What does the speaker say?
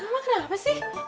ma kenapa sih